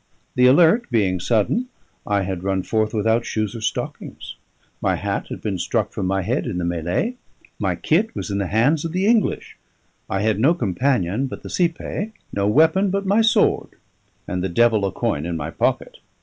The alert being sudden, I had run forth without shoes or stockings; my hat had been struck from my head in the mellay; my kit was in the hands of the English; I had no companion but the cipaye, no weapon but my sword, and the devil a coin in my pocket.